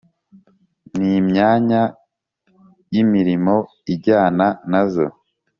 ni myanya y’imirimo ijyana na zo,